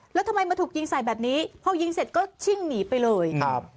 แล้วทำไมมาถูกยิงใส่แบบนี้พอยิงเสร็จก็ชิ่งหนีไปเลยครับ